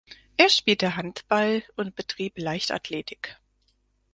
Er spielte Handball und betrieb Leichtathletik.